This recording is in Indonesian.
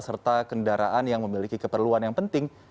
serta kendaraan yang memiliki keperluan yang penting